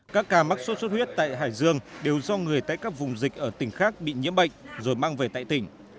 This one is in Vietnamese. các ca mắc sốt xuất huyết tại hải dương đều do người tại các vùng dịch ở tỉnh khác bị nhiễm bệnh rồi mang về tại tỉnh